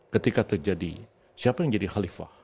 ketika terjadi siapa yang jadi khalifah